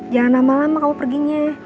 jangan lama lama kamu perginya